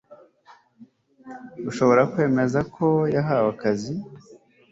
Urashobora kwemeza ko yahawe akazi